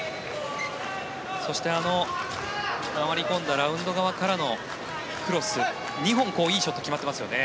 そして、回り込んだラウンド側からのクロス２本、いいショットが決まってますよね。